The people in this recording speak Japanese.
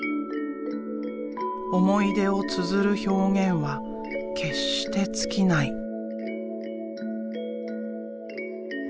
思い出をつづる表現は決して尽きない。